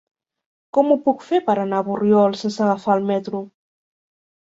Com ho puc fer per anar a Borriol sense agafar el metro?